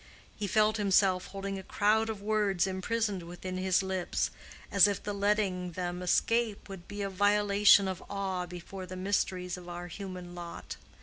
He felt himself holding a crowd of words imprisoned within his lips, as if the letting them escape would be a violation of awe before the mysteries of our human lot.